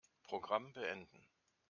Programm beenden.